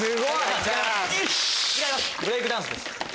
違います「ブレイクダンス」です。